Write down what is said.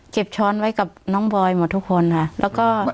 ช้อนไว้กับน้องบอยหมดทุกคนค่ะแล้วก็